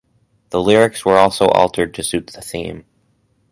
The lyrics were also altered to suit the theme.